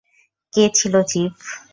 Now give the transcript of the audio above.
কে ছিল চিফ?